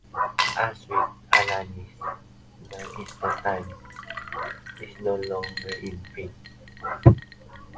As with "Alanis", "Now Is the Time" is no longer in print.